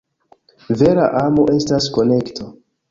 Vera amo estas konekto.